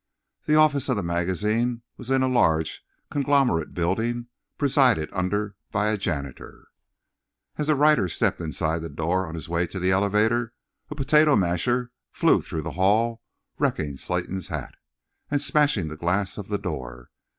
The office of the magazine was in a large, conglomerate building, presided under by a janitor. As the writer stepped inside the door on his way to the elevator a potato masher flew through the hall, wrecking Slayton's hat, and smashing the glass of the door.